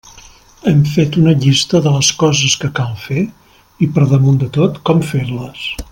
Hem fet una llista de les coses que cal fer, i per damunt de tot, com fer-les.